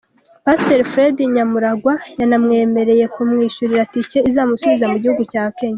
Pasteur Fred Nyamurangwa yanamwemereye kumwishyurira Ticket izamusubiza mu gihugu cya Kenya.